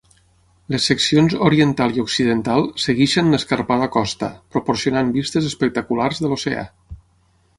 Les seccions oriental i occidental segueixen l'escarpada costa, proporcionant vistes espectaculars de l'oceà.